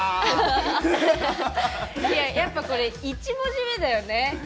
やっぱ、これ、１文字目だよね。